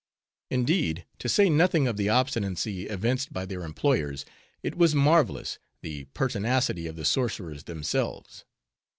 Indeed, to say nothing of the obstinacy evinced by their employers, it was marvelous, the pertinacity of the sorcerers themselves.